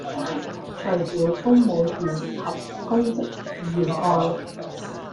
除了公務員及公職人員外